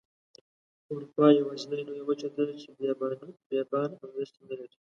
اروپا یوازینۍ لویه وچه ده چې بیابانه او دښتې نلري.